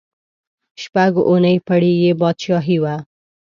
شپږ اووه پړۍ یې بادشاهي وه.